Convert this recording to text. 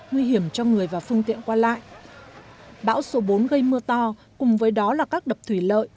nguy hiểm cho người và phương tiện qua lại bão số bốn gây mưa to cùng với đó là các đập thủy lợi